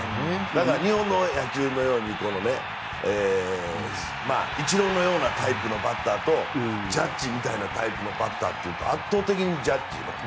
だから日本の野球のようにイチローのようなタイプのバッターとジャッジみたいなタイプのバッターでは圧倒的にジャッジ。